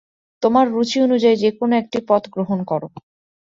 তোমার রুচি অনুযায়ী যে-কোন একটি পথ গ্রহণ কর।